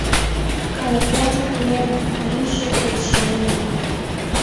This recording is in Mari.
Калыклан пуэм, лийже кеч неле.